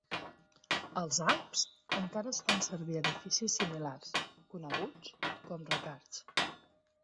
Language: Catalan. Als Alps, encara es fan servir edificis similars, coneguts com "raccards".